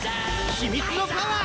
秘密のパワー！